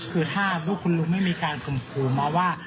คือถ้าลูกคุณลุงไม่มีการข่มขู่มาว่า